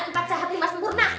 karena empat jahatnya mas murnah